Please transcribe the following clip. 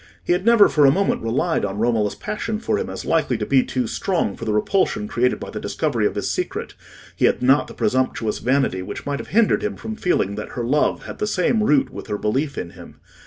He had never for a moment relied on Romola's passion for him as likely to be too strong for the repulsion created by the discovery of his secret; he had not the presumptuous vanity which might have hindered him from feeling that her love had the same root with her belief in him.